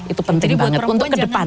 itu penting banget untuk kedepan